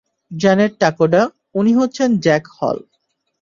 Janet Takoda, উনি হচ্ছেন Jack হল।